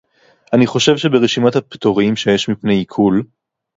אני חושב שברשימת הפטורים שיש מפני עיקול